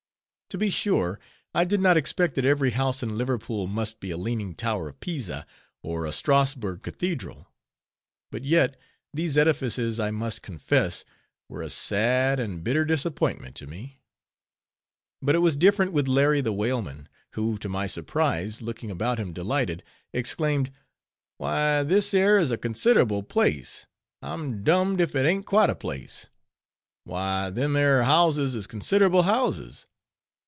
To be sure, I did not expect that every house in Liverpool must be a Leaning Tower of Pisa, or a Strasbourg Cathedral; but yet, these edifices I must confess, were a sad and bitter disappointment to me. But it was different with Larry the whaleman; who to my surprise, looking about him delighted, exclaimed, "Why, this 'ere is a considerable place—I'm dummed if it ain't quite a place.—Why, them 'ere houses is considerable houses.